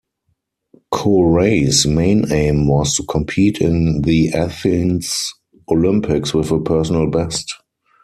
Cooray's main aim was to compete in the Athens Olympics with a personal best.